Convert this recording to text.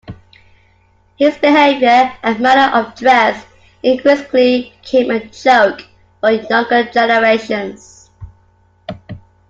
His behavior and manner of dress increasingly became a joke for younger generations.